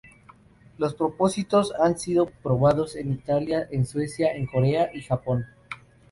Los prototipos han sido probados en Italia, en Suecia, en Corea y Japón.